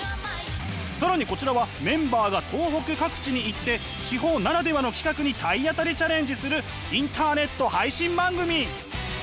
更にこちらはメンバーが東北各地に行って地方ならではの企画に体当たりチャレンジするインターネット配信番組。